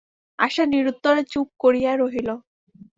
আশা নিরুত্তরে চুপ করিয়া রহিল।